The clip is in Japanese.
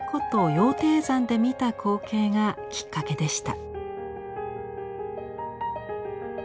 羊蹄山で見た光景がきっかけでした。